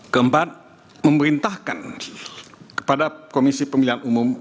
keempat memerintahkan kepada komisi pemilihan umum